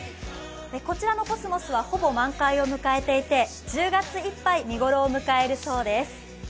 こちらのコスモスはほぼ満開を迎えていて１０月いっぱい見頃を迎えるそうです。